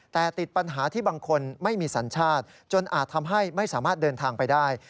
แต่ติดปัญหาที่บางคนไม่มีสัญชาติจนอาจทำให้ไม่สามารถเดินทางไปได้